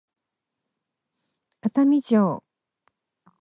熱海城